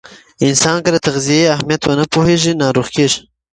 انسان که د تغذیې اهمیت ونه پوهیږي، ناروغ کیږي.